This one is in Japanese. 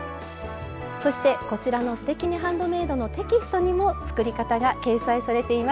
そしてこちらの「すてきにハンドメイド」のテキストにも作り方が掲載されています。